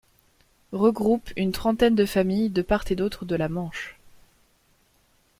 Regroupe une trentaine de familles de part et d'autre de la Manche.